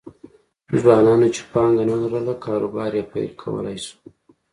ځوانانو چې پانګه نه لرله کاروبار یې پیل کولای شو